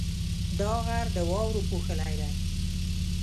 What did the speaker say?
دا غر د واورو پوښلی دی.